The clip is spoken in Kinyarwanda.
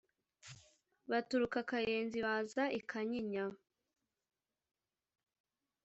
Baturuka Kayenzi, baza i Kanyinya;